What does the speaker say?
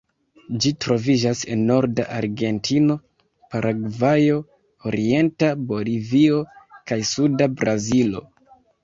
Ĝi troviĝas en norda Argentino, Paragvajo, orienta Bolivio, kaj suda Brazilo.